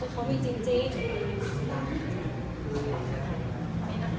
เขามีจริง